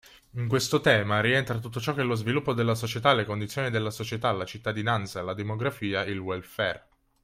In questo tema rientra tutto ciò che concerne lo sviluppo della società, le condizioni della società, la cittadinanza, la demografia, il welfare.